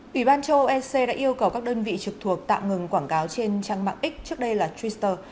ủy ban châu âu ec đã yêu cầu các đơn vị trực thuộc tạm ngừng quảng cáo trên trang mạng x trước đây là twitter